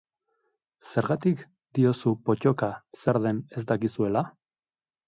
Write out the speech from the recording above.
Zergatik diozu pottoka zer den ez dakizuela?